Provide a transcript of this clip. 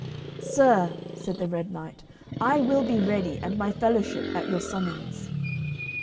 "Sir," said the Red Knight, "I will be ready and my fellowship at your summons."